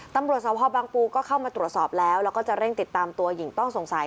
ตำรวจสภบางปูก็เข้ามาตรวจสอบแล้วแล้วก็จะเร่งติดตามตัวหญิงต้องสงสัย